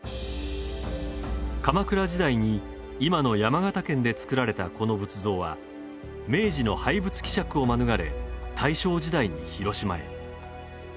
鎌倉時代に、今の山形県で造られたこの仏像は明治の廃仏毀釈を免れ、大正時代に広島へ。